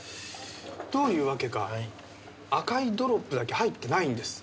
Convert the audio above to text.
どういうわけか赤いドロップだけ入ってないんです。